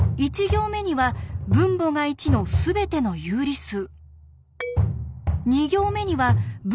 ２行目には分母が２のすべての有理数。